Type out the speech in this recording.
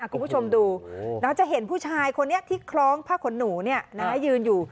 คุณผู้ชมดูจะเห็นผู้ชายคนนี้ที่คล้องผ้าขนหนูยืนอยู่